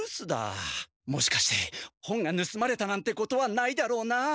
もしかして本がぬすまれたなんてことはないだろうな。